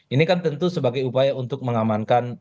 ini kan tentu sebagai upaya untuk mengamankan